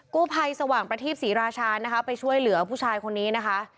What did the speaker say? กู้ภัยสว่างประทีปศรีราชานะคะไปช่วยเหลือผู้ชายคนนี้นะคะ